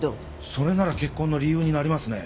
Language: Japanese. それなら結婚の理由になりますね。